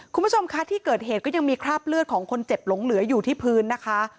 คุณผู้ชมคะที่เกิดเหตุก็ยังมีคราบเลือดของคนเจ็บหลงเหลืออยู่ที่พื้นนะคะ